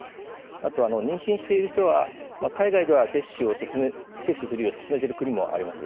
あと妊娠している人は海外では接種するよう勧めている国もあります。